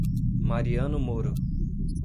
Mariano Moro